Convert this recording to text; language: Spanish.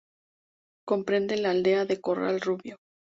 Comprende la aldea de Corral Rubio.